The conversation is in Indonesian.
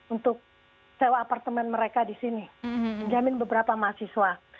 untuk sewa apartemen mereka di sini menjamin beberapa mahasiswa